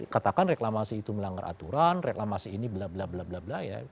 katakan reklamasi itu melanggar aturan reklamasi ini bla bla bla bla bla ya